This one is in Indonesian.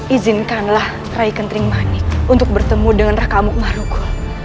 izinkanlah rai kentring manik untuk bertemu dengan raka amuk marugu